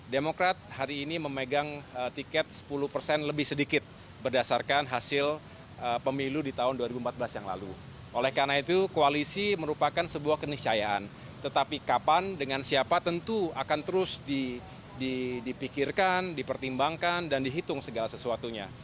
di pikirkan di pertimbangkan dan dihitung segala sesuatunya